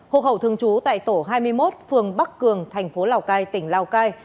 học hậu thường trú tại tổ hai mươi một phường bắc cường thành phố lào cai tỉnh lào cai